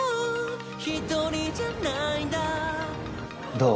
どう？